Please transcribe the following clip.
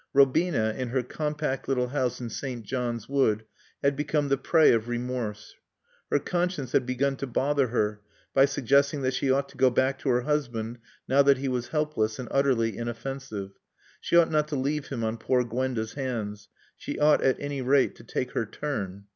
Robina, in her compact little house in St. John's Wood, had become the prey of remorse. Her conscience had begun to bother her by suggesting that she ought to go back to her husband now that he was helpless and utterly inoffensive. She ought not to leave him on poor Gwenda's hands. She ought, at any rate, to take her turn.